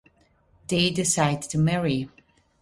They decide to marry.